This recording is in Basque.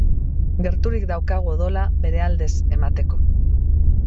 Gerturik daukagu odola bere aldez emateko